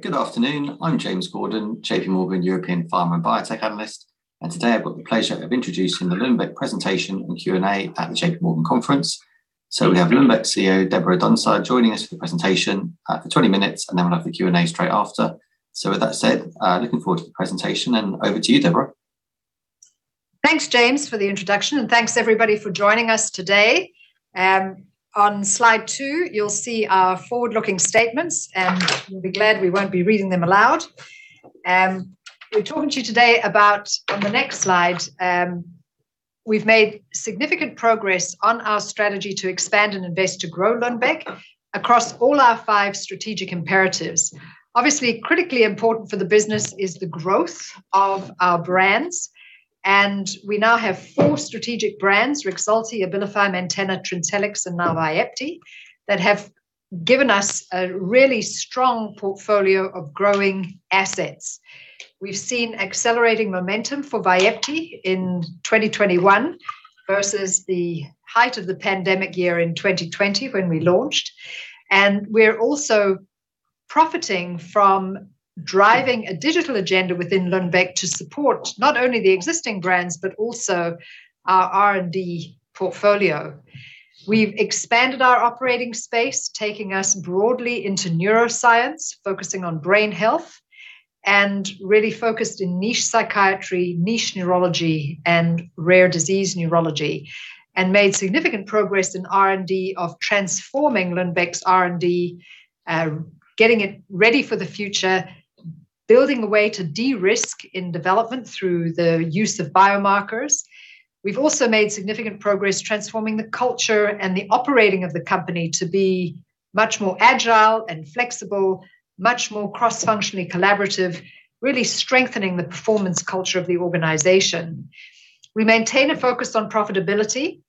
Great. Good afternoon. I'm James Gordon, J.P. Morgan European Pharma and Biotech Analyst, and today I've got the pleasure of introducing the Lundbeck Presentation and Q&A at the J.P. Morgan Conference. So we have Lundbeck CEO Deborah Dunsire joining us for the presentation for 20 minutes, and then we'll have the Q&A straight after. So with that said, looking forward to the presentation, and over to you, Deborah. Thanks, James, for the introduction, and thanks everybody for joining us today. On slide two, you'll see our forward-looking statements, and you'll be glad we won't be reading them aloud. We're talking to you today about, on the next slide, we've made significant progress on our strategy to expand and invest to grow Lundbeck across all our five strategic imperatives. Obviously, critically important for the business is the growth of our brands, and we now have four strategic brands: Rexulti, Abilify Maintena, Trintellix, and now Vyepti that have given us a really strong portfolio of growing assets. We've seen accelerating momentum for Vyepti in 2021 versus the height of the pandemic year in 2020 when we launched, and we're also profiting from driving a digital agenda within Lundbeck to support not only the existing brands but also our R&D portfolio. We've expanded our operating space, taking us broadly into neuroscience, focusing on brain health, and really focused in niche psychiatry, niche neurology, and rare disease neurology, and made significant progress in R&D of transforming Lundbeck's R&D, getting it ready for the future, building a way to de-risk in development through the use of biomarkers. We've also made significant progress transforming the culture and the operating of the company to be much more agile and flexible, much more cross-functionally collaborative, really strengthening the performance culture of the organization. We maintain a focus on profitability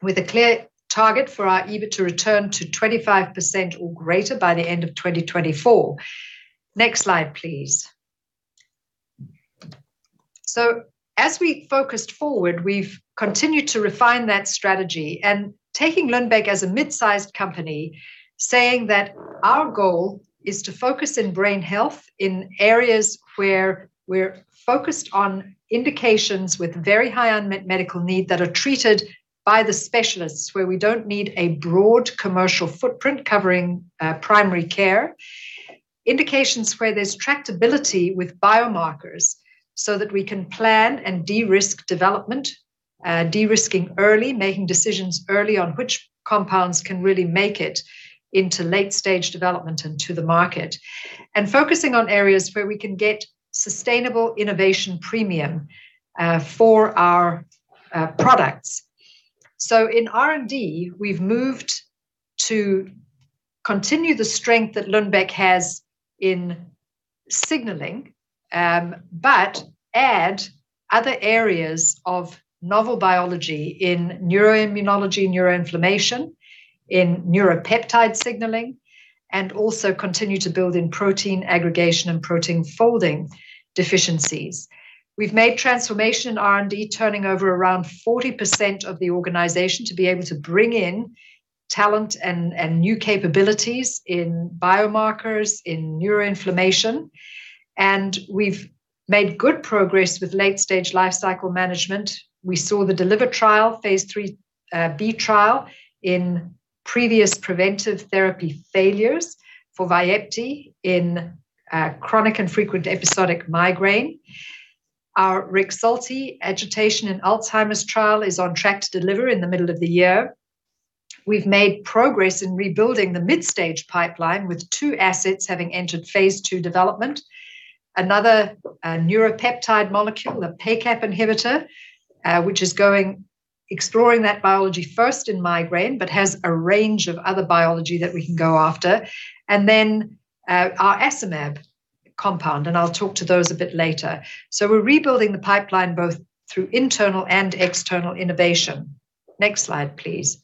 with a clear target for our EBIT to return to 25% or greater by the end of 2024. Next slide, please. So as we focused forward, we've continued to refine that strategy and taking Lundbeck as a mid-sized company, saying that our goal is to focus in brain health in areas where we're focused on indications with very high unmet medical need that are treated by the specialists, where we don't need a broad commercial footprint covering primary care, indications where there's tractability with biomarkers. So that we can plan and de-risk development, de-risking early, making decisions early on which compounds can really make it into late-stage development and to the market, and focusing on areas where we can get sustainable innovation premium for our products, so in R&D, we've moved to continue the strength that Lundbeck has in signaling but add other areas of novel biology in neuroimmunology, neuroinflammation, in neuropeptide signaling, and also continue to build in protein aggregation and protein folding deficiencies. We've made transformation in R&D, turning over around 40% of the organization to be able to bring in talent and new capabilities in biomarkers, in neuroinflammation, and we've made good progress with late-stage lifecycle management. We saw the DELIVER trial, phase III-B trial, in previous preventive therapy failures for Vyepti in chronic and frequent episodic migraine. Our Rexulti agitation and Alzheimer's trial is on track to deliver in the middle of the year. We've made progress in rebuilding the mid-stage pipeline with two assets having entered phase II development: another neuropeptide molecule, a PACAP inhibitor, which is going exploring that biology first in migraine but has a range of other biology that we can go after, and then our alpha-synuclein mAb compound, and I'll talk to those a bit later. So we're rebuilding the pipeline both through internal and external innovation. Next slide, please.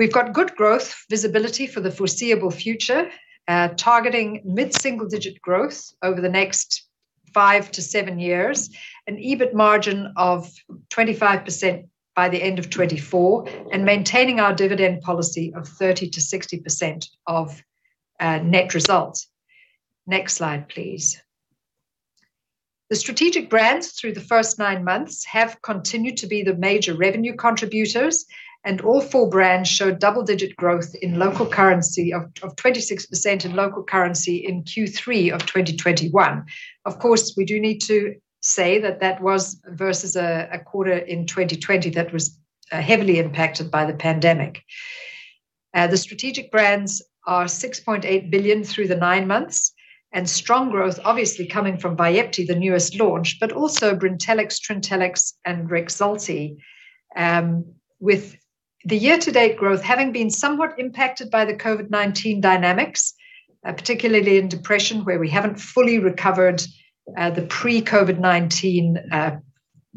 We've got good growth visibility for the foreseeable future, targeting mid-single-digit growth over the next five to seven years, an EBIT margin of 25% by the end of 2024, and maintaining our dividend policy of 30%-60% of net results. Next slide, please. The strategic brands through the first nine months have continued to be the major revenue contributors, and all four brands showed double-digit growth in local currency of 26% in local currency in Q3 of 2021. Of course, we do need to say that that was versus a quarter in 2020 that was heavily impacted by the pandemic. The strategic brands are 6.8 billion through the nine months, and strong growth obviously coming from Vyepti, the newest launch, but also Brintellix, Trintellix, and Rexulti, with the year-to-date growth having been somewhat impacted by the COVID-19 dynamics, particularly in depression, where we haven't fully recovered the pre-COVID-19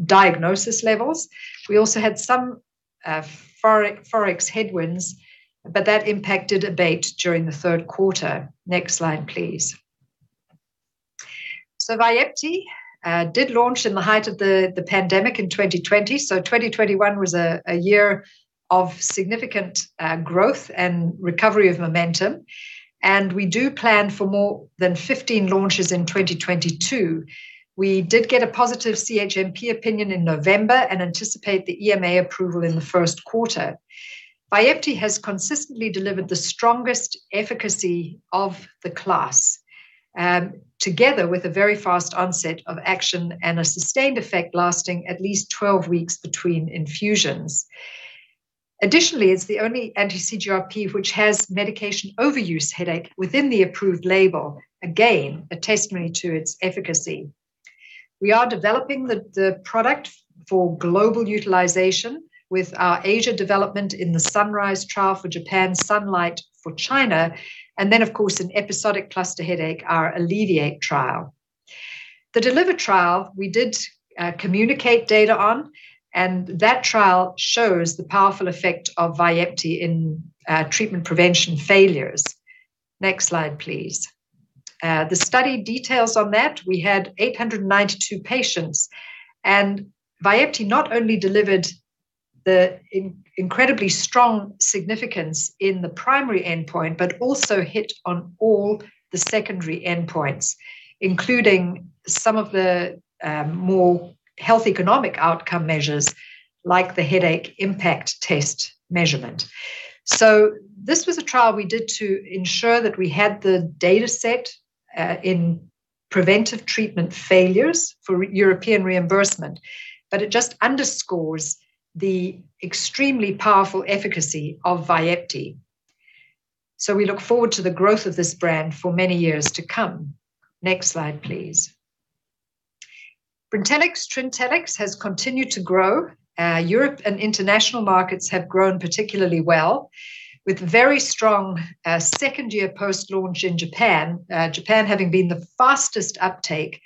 diagnosis levels. We also had some Forex headwinds, but that impacted a bit during the third quarter. Next slide, please. Vyepti did launch in the height of the pandemic in 2020, so 2021 was a year of significant growth and recovery of momentum, and we do plan for more than 15 launches in 2022. We did get a positive CHMP opinion in November and anticipate the EMA approval in the first quarter. Vyepti has consistently delivered the strongest efficacy of the class, together with a very fast onset of action and a sustained effect lasting at least 12 weeks between infusions. Additionally, it's the only anti-CGRP which has medication overuse headache within the approved label, again a testimony to its efficacy. We are developing the product for global utilization with our Asia development in the Sunrise trial for Japan, Sunlight for China, and then, of course, an episodic cluster headache, our Alleviate trial. The Deliver trial we did communicate data on, and that trial shows the powerful effect of Vyepti in treatment prevention failures. Next slide, please. The study details on that: we had 892 patients, and Vyepti not only delivered the incredibly strong significance in the primary endpoint but also hit on all the secondary endpoints, including some of the more health economic outcome measures like the Headache Impact Test measurement. So this was a trial we did to ensure that we had the dataset in preventive treatment failures for European reimbursement, but it just underscores the extremely powerful efficacy of Vyepti. So we look forward to the growth of this brand for many years to come. Next slide, please. Brintellix, Trintellix has continued to grow. Europe and international markets have grown particularly well, with very strong second-year post-launch in Japan, Japan having been the fastest uptake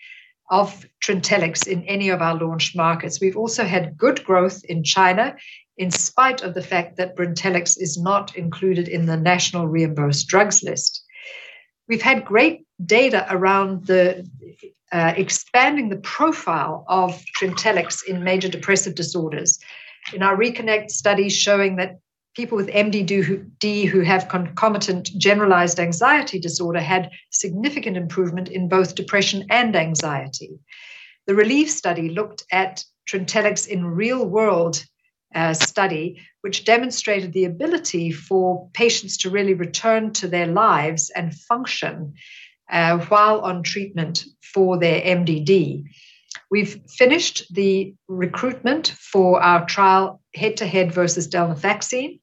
of Trintellix in any of our launch markets. We've also had good growth in China in spite of the fact that Brintellix is not included in the national reimbursed drugs list. We've had great data around expanding the profile of Trintellix in major depressive disorders in our RECONNECT study showing that people with MDD who have concomitant generalized anxiety disorder had significant improvement in both depression and anxiety. The RELIEF study looked at Trintellix in real-world study, which demonstrated the ability for patients to really return to their lives and function while on treatment for their MDD. We've finished the recruitment for our trial head-to-head versus desvenlafaxine,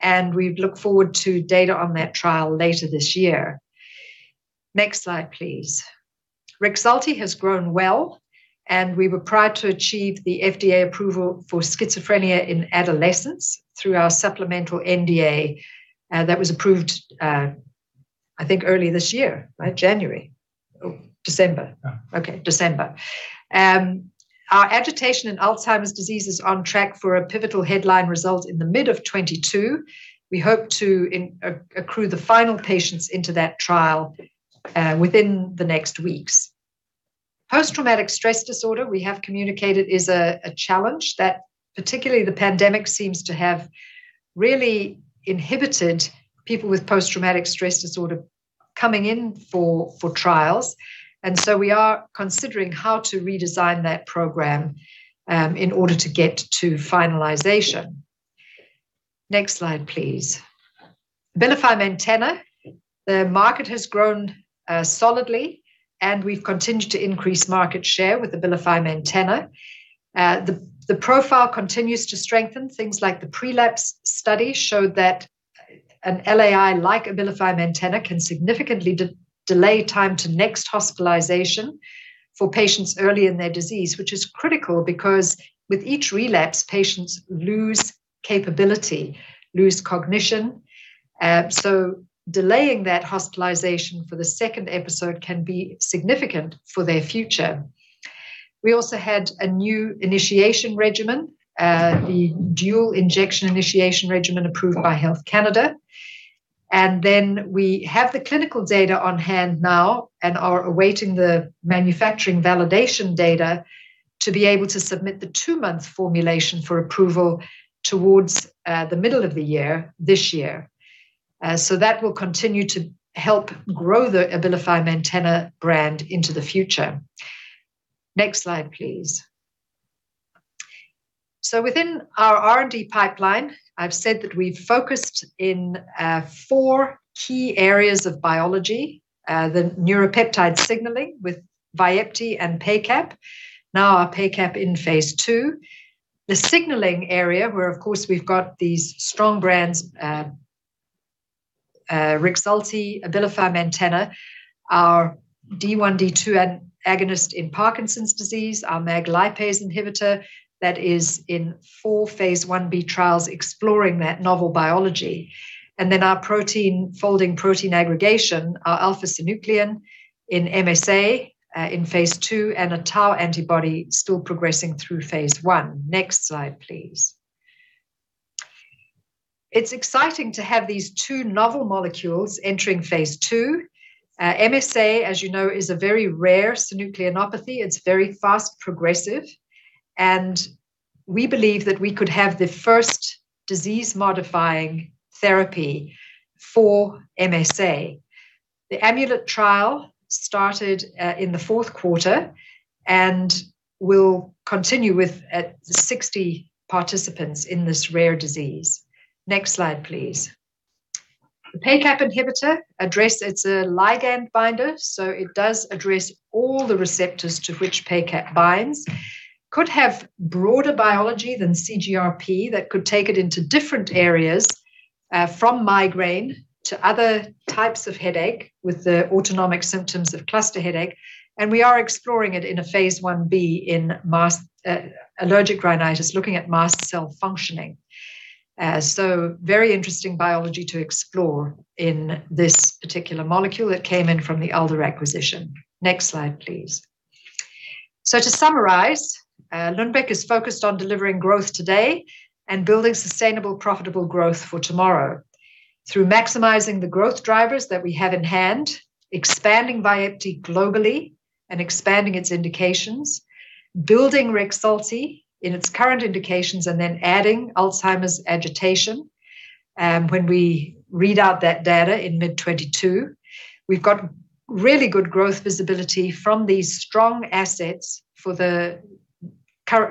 and we look forward to data on that trial later this year. Next slide, please. Rexulti has grown well, and we were able to achieve the FDA approval for schizophrenia in adolescents through our supplemental NDA that was approved, I think, early this year, right? January, December. Yeah. Okay, December. Our agitation in Alzheimer's disease is on track for a pivotal headline result in the mid of 2022. We hope to accrue the final patients into that trial within the next weeks. Post-traumatic stress disorder, we have communicated, is a challenge that particularly the pandemic seems to have really inhibited people with post-traumatic stress disorder coming in for trials, and so we are considering how to redesign that program in order to get to finalization. Next slide, please. Abilify Maintena, the market has grown solidly, and we've continued to increase market share with Abilify Maintena. The profile continues to strengthen. Things like the PRELAPSE study showed that an LAI like Abilify Maintena can significantly delay time to next hospitalization for patients early in their disease, which is critical because with each relapse, patients lose capability, lose cognition, so delaying that hospitalization for the second episode can be significant for their future. We also had a new initiation regimen, the dual injection initiation regimen approved by Health Canada, and then we have the clinical data on hand now and are awaiting the manufacturing validation data to be able to submit the two-month formulation for approval towards the middle of the year this year, so that will continue to help grow the Abilify Maintena brand into the future. Next slide, please. Within our R&D pipeline, I've said that we've focused in four key areas of biology: the neuropeptide signaling with Vyepti and PACAP. Now our PACAP in phase II. The signaling area where, of course, we've got these strong brands Rexulti, Abilify Maintena, our D1D2 agonist in Parkinson's disease, our MAG lipase inhibitor that is in four phase I-B trials exploring that novel biology, and then our protein folding protein aggregation, our alpha-synuclein in MSA in phase II and a tau antibody still progressing through phase I. Next slide, please. It's exciting to have these two novel molecules entering phase II. MSA, as you know, is a very rare synucleinopathy. It's very fast progressive, and we believe that we could have the first disease-modifying therapy for MSA. The AMULET trial started in the fourth quarter and will continue with 60 participants in this rare disease. Next slide, please. The PACAP inhibitor addressed (it's a ligand binder, so it does address all the receptors to which PACAP binds) could have broader biology than CGRP that could take it into different areas from migraine to other types of headache with the autonomic symptoms of cluster headache, and we are exploring it in a phase I-B in allergic rhinitis, looking at mast cell functioning, so very interesting biology to explore in this particular molecule that came in from the Alder acquisition. Next slide, please, so to summarize, Lundbeck is focused on delivering growth today and building sustainable, profitable growth for tomorrow through maximizing the growth drivers that we have in hand, expanding Vyepti globally and expanding its indications, building Rexulti in its current indications, and then adding Alzheimer's agitation. When we read out that data in mid 2022, we've got really good growth visibility from these strong assets for the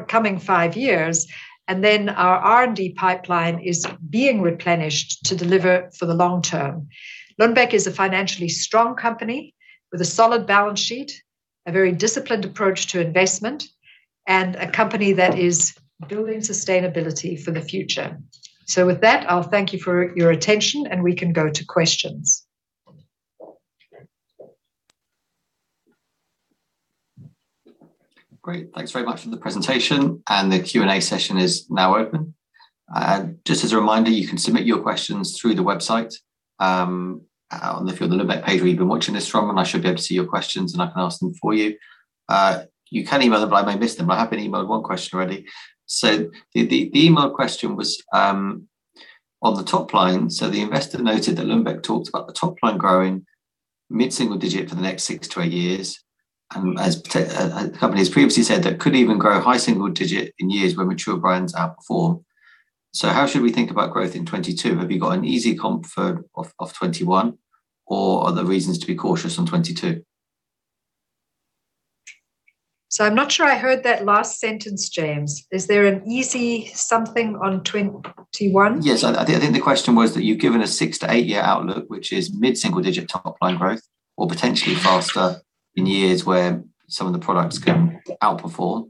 coming five years, and then our R&D pipeline is being replenished to deliver for the long term. Lundbeck is a financially strong company with a solid balance sheet, a very disciplined approach to investment, and a company that is building sustainability for the future. So with that, I'll thank you for your attention, and we can go to questions. Great. Thanks very much for the presentation, and the Q&A session is now open. Just as a reminder, you can submit your questions through the website on the Lundbeck page where you've been watching this from, and I should be able to see your questions, and I can ask them for you. You can email them, but I may miss them. I have been emailed one question already. So the email question was on the top line. So the investor noted that Lundbeck talked about the top line growing mid-single digit for the next six to eight years, and as the company has previously said, that could even grow high single digit in years where mature brands outperform. So how should we think about growth in 2022? Have you got an easy comfort of 2021, or are there reasons to be cautious on 2022? So I'm not sure I heard that last sentence, James. Is there an easy something on '21? Yes. I think the question was that you've given a six to eight-year outlook, which is mid-single digit top line growth or potentially faster in years where some of the products can outperform.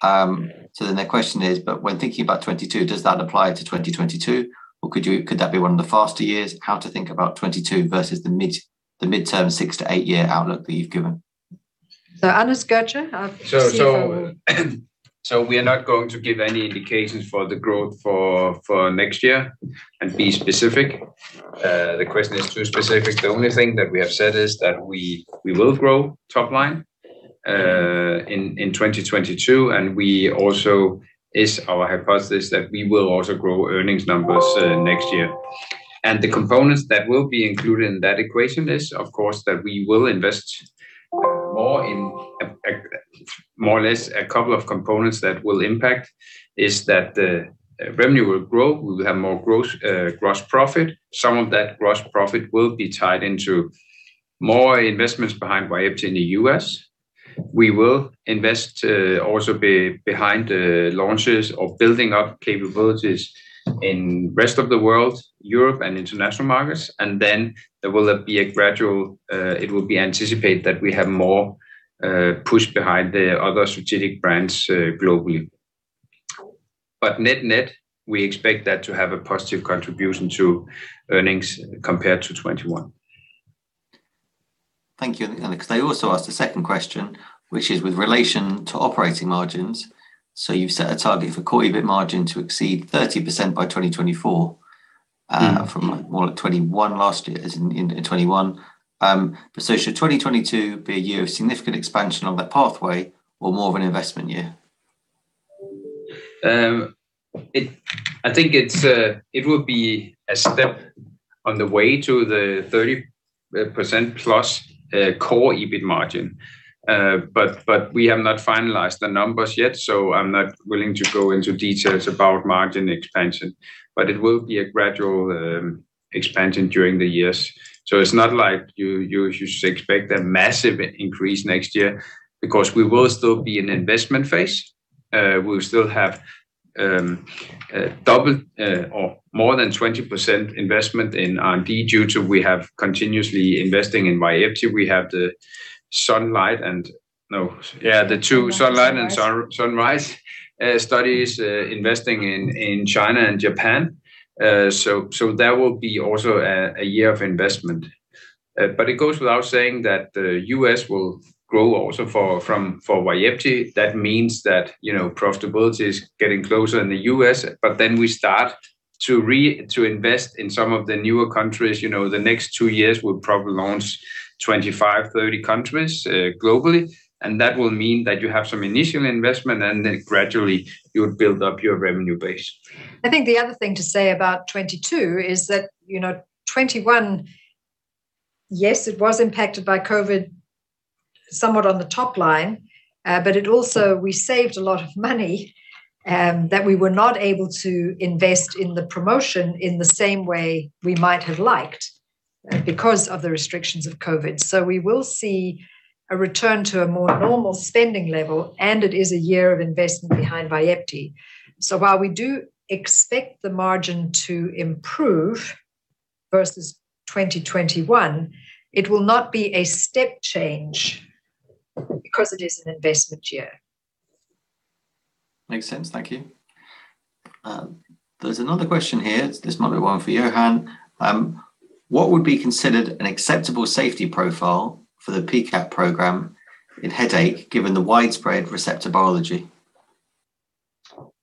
So then the question is, but when thinking about 2022, does that apply to 2022, or could that be one of the faster years? How to think about 2022 versus the midterm six to eight-year outlook that you've given? Anders Götzsche, I'll take that one. So we are not going to give any indications for the growth for next year and be specific. The question is too specific. The only thing that we have said is that we will grow top line in 2022, and we also is our hypothesis that we will also grow earnings numbers next year. And the components that will be included in that equation is, of course, that we will invest more in more or less a couple of components that will impact is that the revenue will grow, we will have more gross profit. Some of that gross profit will be tied into more investments behind Vyepti in the U.S. We will invest also behind the launches or building up capabilities in the rest of the world, Europe, and international markets, and then there will be a gradual. It will be anticipated that we have more push behind the other strategic brands globally, but net-net, we expect that to have a positive contribution to earnings compared to 2021. Thank you. And because they also asked a second question, which is with relation to operating margins, so you've set a target for quarterly EBIT margin to exceed 30% by 2024 from more like 21% last year in 2021. So should 2022 be a year of significant expansion on that pathway or more of an investment year? I think it would be a step on the way to the 30% plus core EBIT margin, but we have not finalized the numbers yet, so I'm not willing to go into details about margin expansion, but it will be a gradual expansion during the years. So it's not like you should expect a massive increase next year because we will still be in investment phase. We'll still have double or more than 20% investment in R&D due to we have continuously investing in Vyepti. We have the Sunlight and no, yeah, the two Sunlight and Sunrise studies investing in China and Japan, so that will be also a year of investment. But it goes without saying that the U.S. will grow also for Vyepti. That means that profitability is getting closer in the U.S., but then we start to invest in some of the newer countries. The next two years, we'll probably launch 25-30 countries globally, and that will mean that you have some initial investment, and then gradually you would build up your revenue base. I think the other thing to say about 2022 is that 2021, yes, it was impacted by COVID somewhat on the top line, but it also we saved a lot of money that we were not able to invest in the promotion in the same way we might have liked because of the restrictions of COVID. We will see a return to a more normal spending level, and it is a year of investment behind Vyepti. While we do expect the margin to improve versus 2021, it will not be a step change because it is an investment year. Makes sense. Thank you. There's another question here. This might be one for Johan. What would be considered an acceptable safety profile for the PACAP program in headache given the widespread receptor biology?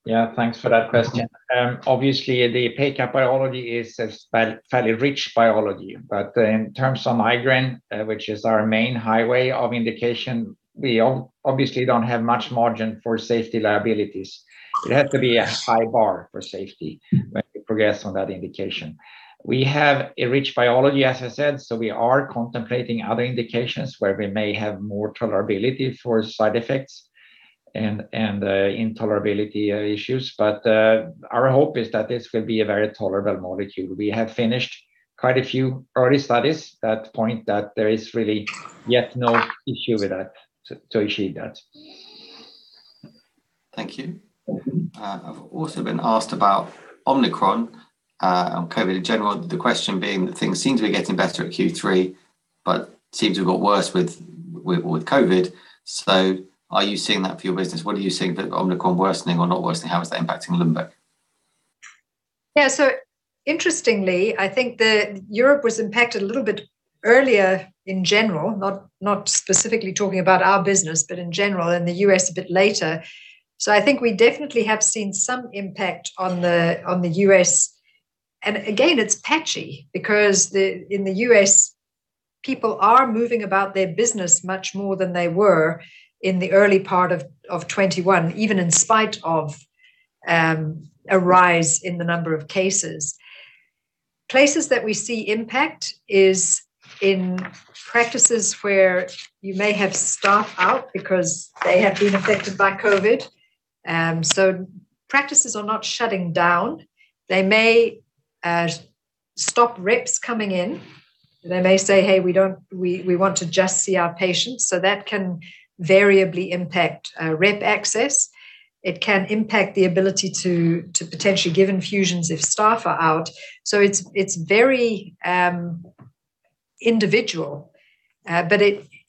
Yeah. Thanks for that question. Obviously, the PACAP biology is a fairly rich biology, but in terms of migraine, which is our main highway of indication, we obviously don't have much margin for safety liabilities. It has to be a high bar for safety when we progress on that indication. We have a rich biology, as I said, so we are contemplating other indications where we may have more tolerability for side effects and intolerability issues, but our hope is that this will be a very tolerable molecule. We have finished quite a few early studies that point that there is really yet no issue with that to achieve that. Thank you. I've also been asked about Omicron and COVID in general, the question being that things seem to be getting better at Q3, but seems to have got worse with COVID. So are you seeing that for your business? What are you seeing for Omicron worsening or not worsening? How is that impacting Lundbeck? Yeah. So interestingly, I think Europe was impacted a little bit earlier in general, not specifically talking about our business, but in general in the U.S. a bit later. So I think we definitely have seen some impact on the U.S. And again, it's patchy because in the U.S., people are moving about their business much more than they were in the early part of 2021, even in spite of a rise in the number of cases. Places that we see impact is in practices where you may have staff out because they have been affected by COVID. So practices are not shutting down. They may stop reps coming in. They may say, "Hey, we want to just see our patients." So that can variably impact rep access. It can impact the ability to potentially give infusions if staff are out. So it's very individual, but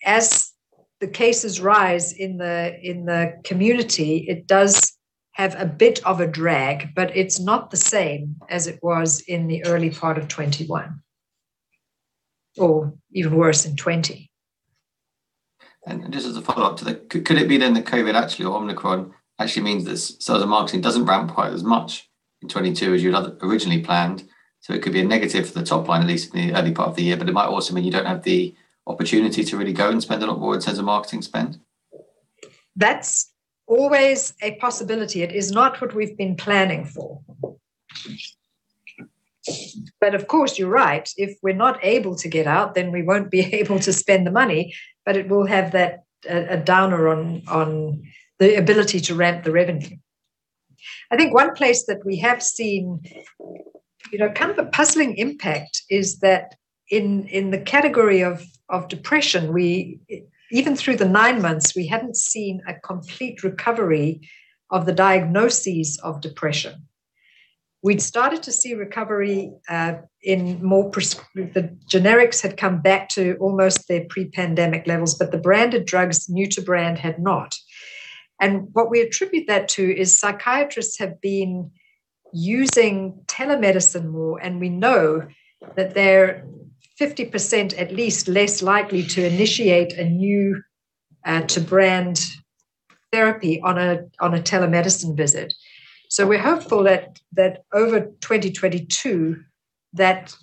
as the cases rise in the community, it does have a bit of a drag, but it's not the same as it was in the early part of 2021 or even worse in 2020. And this is a follow-up to that. Could it be then that COVID actually or Omicron actually means that sales and marketing doesn't ramp quite as much in 2022 as you had originally planned? So it could be a negative for the top line, at least in the early part of the year, but it might also mean you don't have the opportunity to really go and spend a lot more in terms of marketing spend? That's always a possibility. It is not what we've been planning for. But of course, you're right. If we're not able to get out, then we won't be able to spend the money, but it will have a downer on the ability to ramp the revenue. I think one place that we have seen kind of a puzzling impact is that in the category of depression, even through the nine months, we hadn't seen a complete recovery of the diagnoses of depression. We'd started to see recovery in more the generics had come back to almost their pre-pandemic levels, but the branded drugs, new-to-brand, had not. And what we attribute that to is psychiatrists have been using telemedicine more, and we know that they're 50% at least less likely to initiate a new-to-brand therapy on a telemedicine visit. So we're hopeful that over 2022, that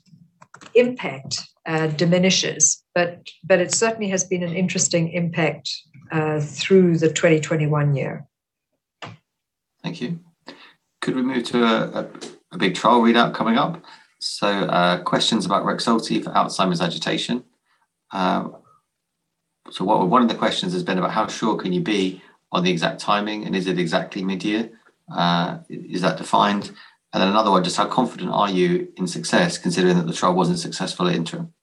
impact diminishes, but it certainly has been an interesting impact through the 2021 year. Thank you. Could we move to a big trial readout coming up? So questions about Rexulti for Alzheimer's agitation. So one of the questions has been about how sure can you be on the exact timing, and is it exactly mid-year? Is that defined? And then another one, just how confident are you in success considering that the trial wasn't successful at interim?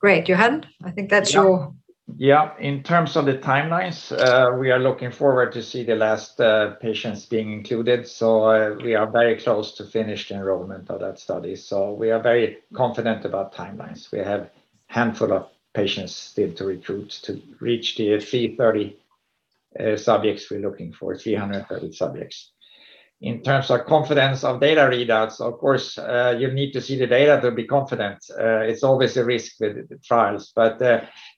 Great. Johan, I think that's your. Yeah. In terms of the timelines, we are looking forward to see the last patients being included. So we are very close to finished enrollment of that study. So we are very confident about timelines. We have a handful of patients still to recruit to reach the 330 subjects we're looking for, 330 subjects. In terms of confidence of data readouts, of course, you need to see the data to be confident. It's always a risk with the trials, but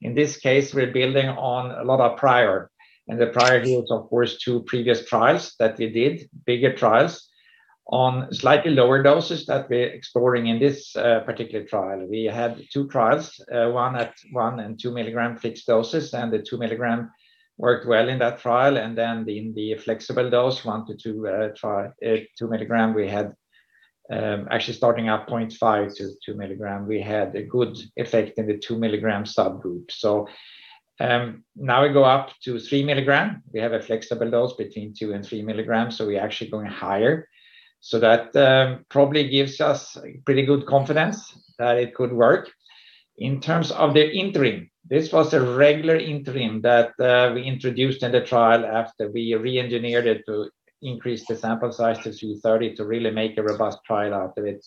in this case, we're building on a lot of prior, and the prior here is, of course, two previous trials that we did, bigger trials on slightly lower doses that we're exploring in this particular trial. We had two trials, one at one and two mg fixed doses, and the two mg worked well in that trial, and then in the flexible dose, one to two mg, we had actually starting at 0.5 mg-two mg, we had a good effect in the two mg subgroup, so now we go up to three mg. We have a flexible dose between two and three mg, so we're actually going higher, so that probably gives us pretty good confidence that it could work. In terms of the interim, this was a regular interim that we introduced in the trial after we re-engineered it to increase the sample size to 30 to really make a robust trial out of it.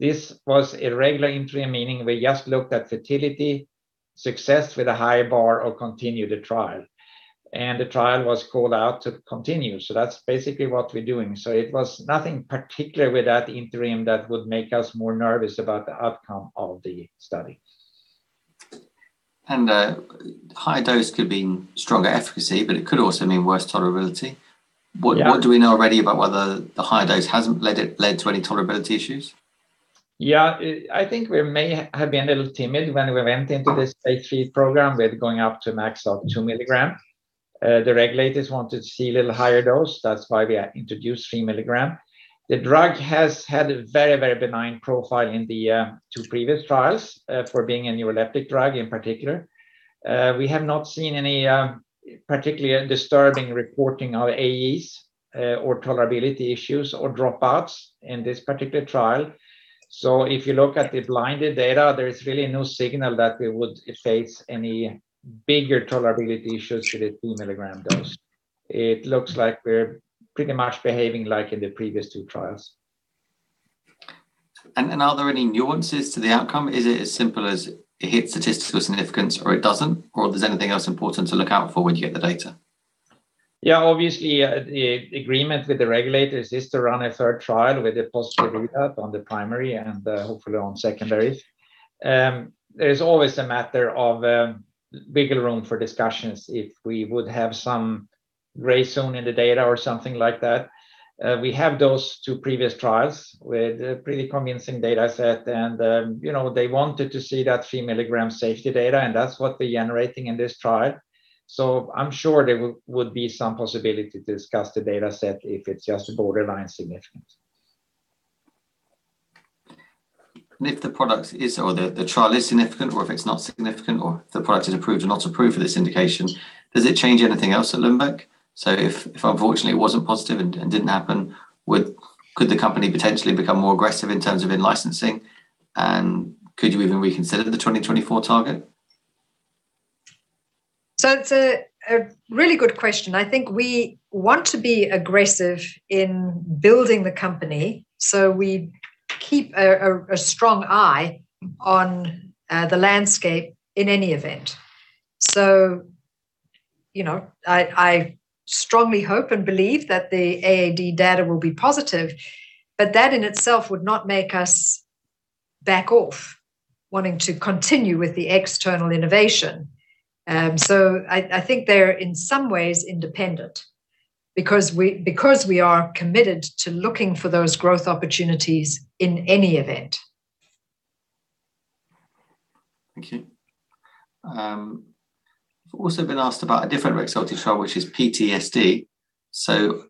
This was a regular interim, meaning we just looked at futility, success with a high bar, or continue the trial, and the trial was allowed to continue. That's basically what we're doing. It was nothing particular with that interim that would make us more nervous about the outcome of the study. High dose could mean stronger efficacy, but it could also mean worse tolerability. What do we know already about whether the high dose hasn't led to any tolerability issues? Yeah. I think we may have been a little timid when we went into this phase III program with going up to a max of two mg. The regulators wanted to see a little higher dose. That's why we introduced three mg. The drug has had a very, very benign profile in the two previous trials for being a neuroleptic drug in particular. We have not seen any particularly disturbing reporting of AEs or tolerability issues or dropouts in this particular trial. So if you look at the blinded data, there is really no signal that we would face any bigger tolerability issues with the three mg dose. It looks like we're pretty much behaving like in the previous two trials. Are there any nuances to the outcome? Is it as simple as it hits statistical significance or it doesn't, or there's anything else important to look out for when you get the data? Yeah. Obviously, the agreement with the regulators is to run a third trial with a positive readout on the primary and hopefully on secondaries. There is always a matter of wiggle room for discussions if we would have some gray zone in the data or something like that. We have those two previous trials with a pretty convincing data set, and they wanted to see that three mg safety data, and that's what we're generating in this trial. So I'm sure there would be some possibility to discuss the data set if it's just borderline significant. If the product is or the trial is significant, or if it's not significant, or if the product is approved or not approved for this indication, does it change anything else at Lundbeck? If unfortunately it wasn't positive and didn't happen, could the company potentially become more aggressive in terms of in-licensing, and could you even reconsider the 2024 target? So it's a really good question. I think we want to be aggressive in building the company, so we keep a strong eye on the landscape in any event. So I strongly hope and believe that the AAD data will be positive, but that in itself would not make us back off wanting to continue with the external innovation. So I think they're in some ways independent because we are committed to looking for those growth opportunities in any event. Thank you. I've also been asked about a different Rexulti trial, which is PTSD. So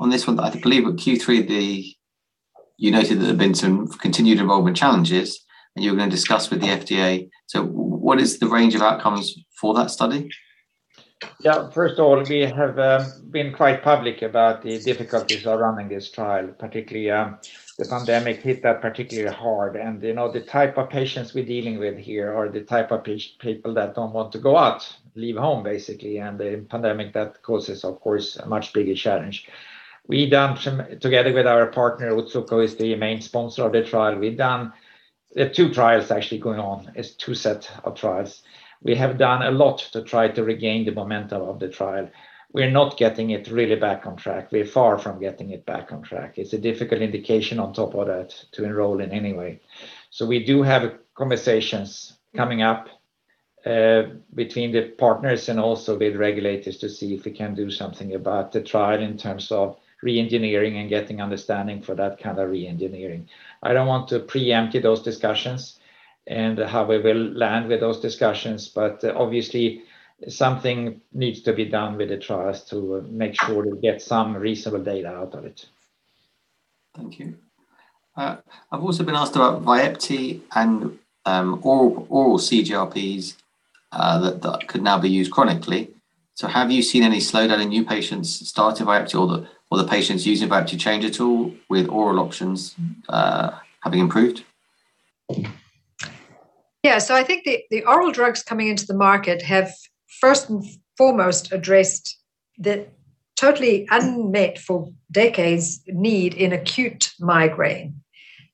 on this one, I believe at Q3, you noted that there have been some continued enrollment challenges, and you're going to discuss with the FDA. So what is the range of outcomes for that study? Yeah. First of all, we have been quite public about the difficulties of running this trial, particularly the pandemic hit that particularly hard, and the type of patients we're dealing with here are the type of people that don't want to go out, leave home basically, and the pandemic that causes, of course, a much bigger challenge. We've done, together with our partner, Otsuka, who is the main sponsor of the trial, we've done two trials actually going on. It's two sets of trials. We have done a lot to try to regain the momentum of the trial. We're not getting it really back on track. We're far from getting it back on track. It's a difficult indication on top of that to enroll in anyway. So we do have conversations coming up between the partners and also with regulators to see if we can do something about the trial in terms of re-engineering and getting understanding for that kind of re-engineering. I don't want to preempt those discussions and how we will land with those discussions, but obviously, something needs to be done with the trials to make sure we get some reasonable data out of it. Thank you. I've also been asked about Vyepti and oral CGRPs that could now be used chronically. So have you seen any slowdown in new patients starting Vyepti, or the patients using Vyepti change at all with oral options having improved? Yeah. So I think the oral drugs coming into the market have first and foremost addressed the totally unmet for decades need in acute migraine.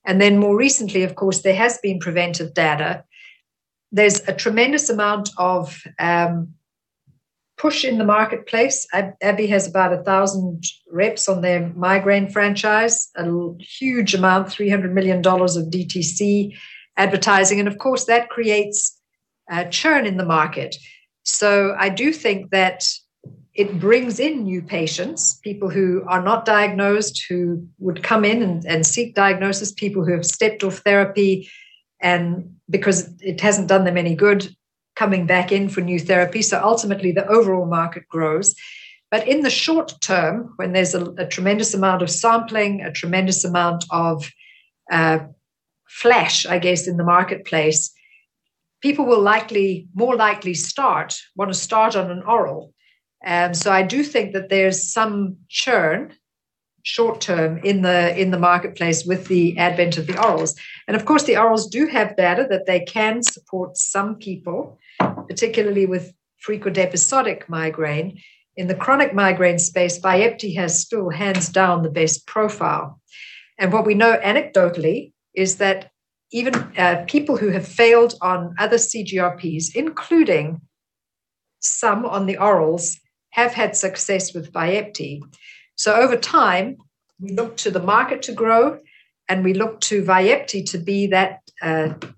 And then more recently, of course, there has been preventive data. There's a tremendous amount of push in the marketplace. AbbVie has about 1,000 reps on their migraine franchise, a huge amount, $300 million of DTC advertising. And of course, that creates a churn in the market. So I do think that it brings in new patients, people who are not diagnosed, who would come in and seek diagnosis, people who have stepped off therapy because it hasn't done them any good coming back in for new therapy. So ultimately, the overall market grows. But in the short term, when there's a tremendous amount of sampling, a tremendous amount of flash, I guess, in the marketplace, people will more likely want to start on an oral. So I do think that there's some churn short term in the marketplace with the advent of the orals. And of course, the orals do have data that they can support some people, particularly with frequent episodic migraine. In the chronic migraine space, Vyepti has still hands down the best profile. And what we know anecdotally is that even people who have failed on other CGRPs, including some on the orals, have had success with Vyepti. Over time, we look to the market to grow, and we look to Vyepti to be that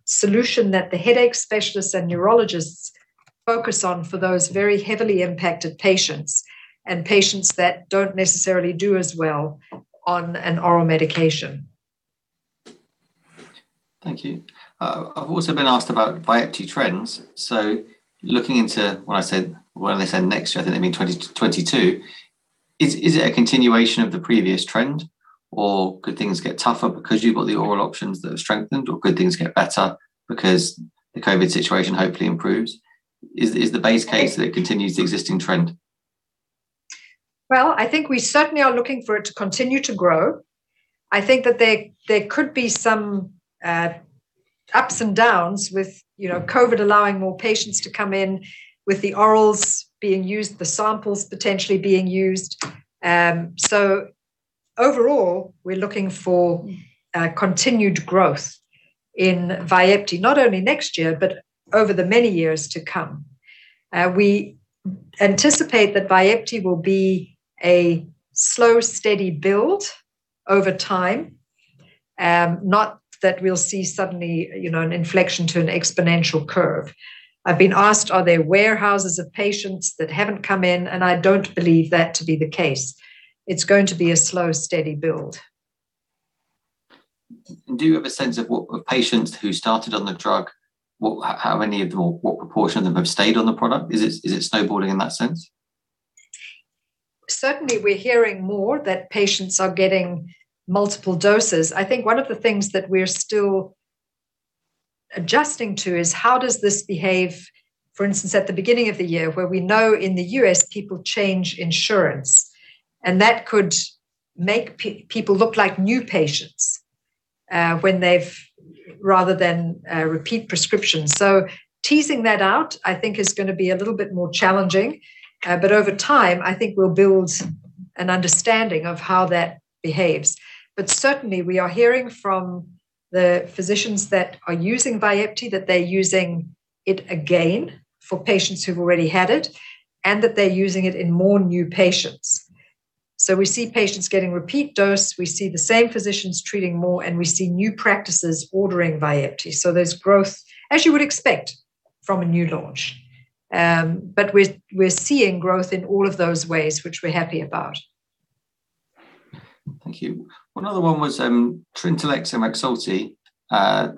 solution that the headache specialists and neurologists focus on for those very heavily impacted patients and patients that don't necessarily do as well on an oral medication. Thank you. I've also been asked about Vyepti trends. So looking into when I say next year, I think that means 2022, is it a continuation of the previous trend, or could things get tougher because you've got the oral options that are strengthened, or could things get better because the COVID situation hopefully improves? Is the base case that it continues the existing trend? I think we certainly are looking for it to continue to grow. I think that there could be some ups and downs with COVID allowing more patients to come in, with the orals being used, the samples potentially being used. Overall, we're looking for continued growth in Vyepti, not only next year, but over the many years to come. We anticipate that Vyepti will be a slow, steady build over time, not that we'll see suddenly an inflection to an exponential curve. I've been asked, are there warehouses of patients that haven't come in, and I don't believe that to be the case. It's going to be a slow, steady build. Do you have a sense of patients who started on the drug, how many of them, what proportion of them have stayed on the product? Is it snowballing in that sense? Certainly, we're hearing more that patients are getting multiple doses. I think one of the things that we're still adjusting to is how does this behave, for instance, at the beginning of the year where we know in the U.S. people change insurance, and that could make people look like new patients rather than repeat prescriptions. So teasing that out, I think, is going to be a little bit more challenging, but over time, I think we'll build an understanding of how that behaves. But certainly, we are hearing from the physicians that are using Vyepti that they're using it again for patients who've already had it, and that they're using it in more new patients. So we see patients getting repeat dose. We see the same physicians treating more, and we see new practices ordering Vyepti. So there's growth, as you would expect from a new launch, but we're seeing growth in all of those ways, which we're happy about. Thank you. One other one was Trintellix and Rexulti. I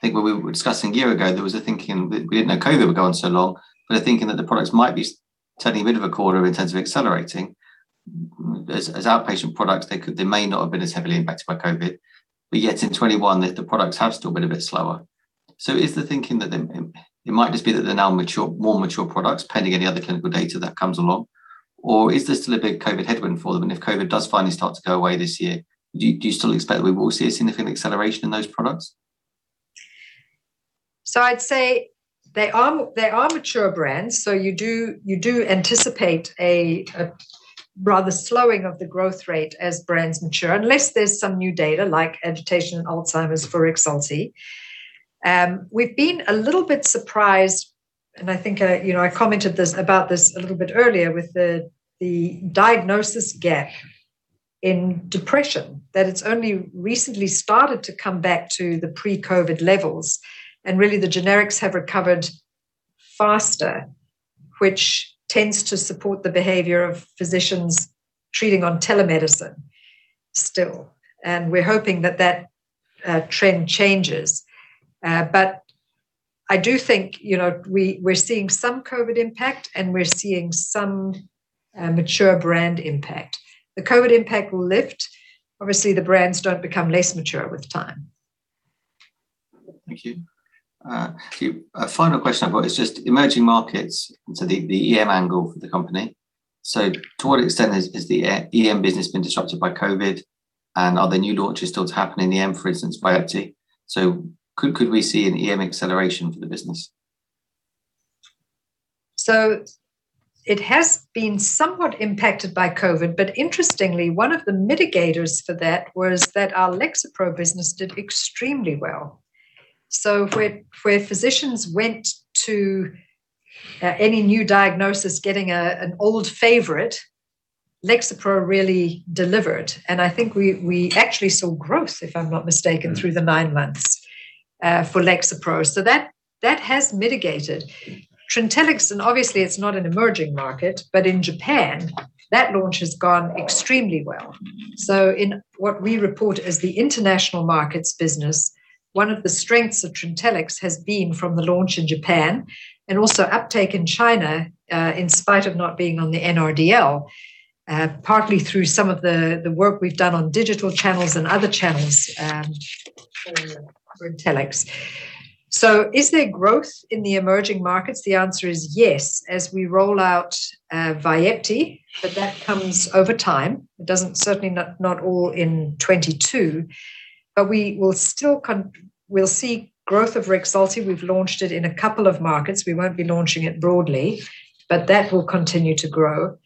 think when we were discussing a year ago, there was a thinking that we didn't know COVID would go on so long, but a thinking that the products might be turning a bit of a corner in terms of accelerating. As outpatient products, they may not have been as heavily impacted by COVID, but yet in 2021, the products have still been a bit slower. So is the thinking that it might just be that they're now more mature products, pending any other clinical data that comes along, or is this still a big COVID headwind for them? And if COVID does finally start to go away this year, do you still expect that we will see a significant acceleration in those products? So I'd say they are mature brands, so you do anticipate a rather slowing of the growth rate as brands mature, unless there's some new data like agitation and Alzheimer's for Rexulti. We've been a little bit surprised, and I think I commented about this a little bit earlier with the diagnosis gap in depression, that it's only recently started to come back to the pre-COVID levels, and really the generics have recovered faster, which tends to support the behavior of physicians treating on telemedicine still. And we're hoping that that trend changes. But I do think we're seeing some COVID impact, and we're seeing some mature brand impact. The COVID impact will lift. Obviously, the brands don't become less mature with time. Thank you. A final question I've got is just emerging markets. So the EM angle for the company. So to what extent has the EM business been disrupted by COVID, and are the new launches still happening in the EM, for instance, Vyepti? So could we see an EM acceleration for the business? So it has been somewhat impacted by COVID, but interestingly, one of the mitigators for that was that our Lexapro business did extremely well. So where physicians went to any new diagnosis getting an old favorite, Lexapro really delivered. And I think we actually saw growth, if I'm not mistaken, through the nine months for Lexapro. So that has mitigated. Trintellix, and obviously, it's not an emerging market, but in Japan, that launch has gone extremely well. So in what we report as the international markets business, one of the strengths of Trintellix has been from the launch in Japan and also uptake in China in spite of not being on the NRDL, partly through some of the work we've done on digital channels and other channels for Trintellix. So is there growth in the emerging markets? The answer is yes, as we roll out Vyepti, but that comes over time. It doesn't, certainly not all in 2022, but we'll see growth of Rexulti. We've launched it in a couple of markets. We won't be launching it broadly, but that will continue to grow,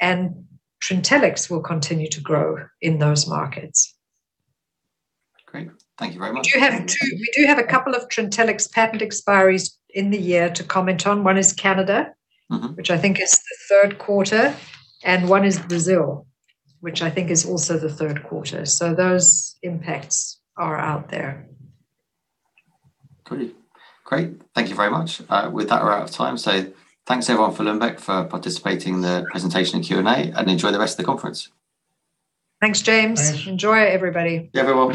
and Trintellix will continue to grow in those markets. Great. Thank you very much. We do have a couple of Trintellix patent expiries in the year to comment on. One is Canada, which I think is the third quarter, and one is Brazil, which I think is also the third quarter. So those impacts are out there. Great. Great. Thank you very much. With that, we're out of time. So thanks everyone for Lundbeck for participating in the presentation and Q&A, and enjoy the rest of the conference. Thanks, James. Enjoy, everybody. Yeah, everyone.